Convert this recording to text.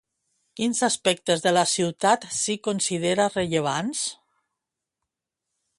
Quins aspectes de la ciutat sí que considera rellevants?